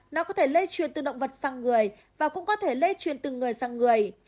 nó có thể lê chuyên từ động vật sang người và cũng có thể lê chuyên từ người sang người